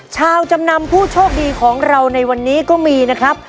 จำนำผู้โชคดีของเราในวันนี้ก็มีนะครับ